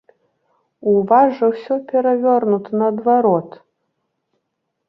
У вас жа ўсё перавернута наадварот.